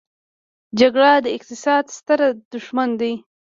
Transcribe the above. جګړه د اقتصاد ستر دښمن دی.